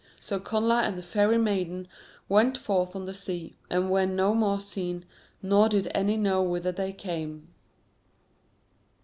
So Connla and the Fairy Maiden went forth on the sea, and were no more seen, nor did any know whither they came.